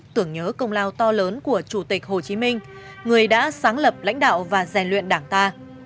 tưởng nhớ công lao to lớn của chủ tịch hồ chí minh người đã sáng lập lãnh đạo và rèn luyện đảng ta